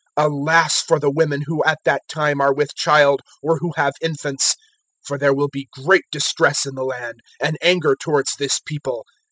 021:023 "Alas for the women who at that time are with child or who have infants; for there will be great distress in the land, and anger towards this People.